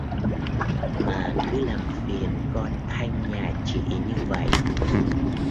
Mà cứ làm phiền con thanh nhà chị như vậy